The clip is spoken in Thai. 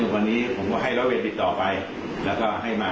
วันนี้ผมก็ให้ร้อยเวรติดต่อไปแล้วก็ให้มา